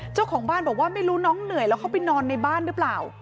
เจ้าของบ้านบอกว่าไม่รู้น้องเหนื่อยแล้วเข้าไปนอนในบ้านหรือเปล่า